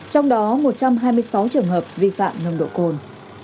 trong đó một trăm hai mươi sáu trường hợp vi phạm nồng độ cồn